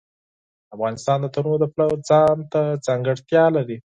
افغانستان د تنوع د پلوه ځانته ځانګړتیا لري.